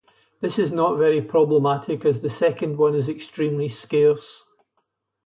This is not very problematic as the second one is extremely scarce.